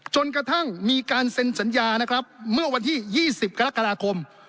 จนกระทั่งมีการเซ็นสัญญานะครับเมื่อวันที่๒๐กรกฎาคม